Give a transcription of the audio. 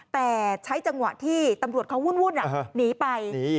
แต่ใช้จังหวะที่ตำรวจเขาวุ่นหนีไป